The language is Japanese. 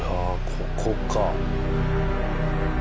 ここか。